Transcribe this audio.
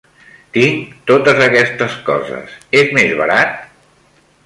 Tinc totes aquestes coses, és més barat?